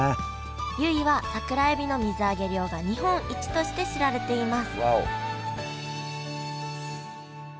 由比は桜えびの水揚げ量が日本一として知られていますわお！